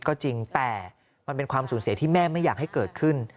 ก็จริงแต่มันเป็นความสูญเสียที่แม่ไม่อยากให้เกิดขึ้น